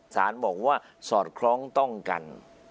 สารบอกว่าสอดคล้องต้องกัน